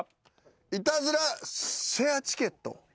イタズラシェアチケット？